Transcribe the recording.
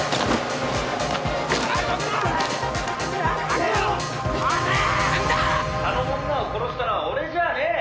「あの女を殺したのは俺じゃねえ！」